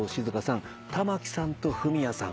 玉置さんとフミヤさん。